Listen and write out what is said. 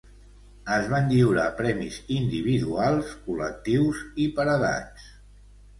Es van lliurar premis individuals, col·lectius i per edats.